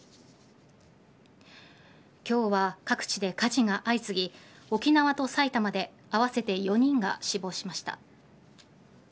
今日は各地で火事が相次ぎ沖縄と埼玉で合わせて４人が死亡しました。